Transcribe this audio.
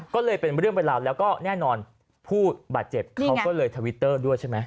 ก็เลยเป็นเรื่องเป็นราวแล้วก็แน่นอนผู้บาดเจ็บเขาก็เลยทวิตเตอร์ด้วยใช่ไหม